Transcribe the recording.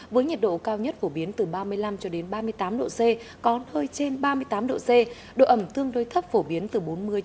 với nhiệt độ cao nhất phổ biến từ ba mươi năm ba mươi tám độ c có nơi trên ba mươi tám độ c độ ẩm tương đối thấp phổ biến từ bốn mươi năm mươi